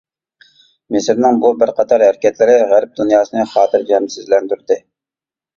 مىسىرنىڭ بۇ بىر قاتار ھەرىكەتلىرى غەرب دۇنياسىنى خاتىرجەمسىزلەندۈردى.